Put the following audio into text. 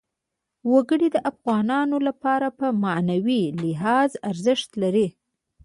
وګړي د افغانانو لپاره په معنوي لحاظ ارزښت لري.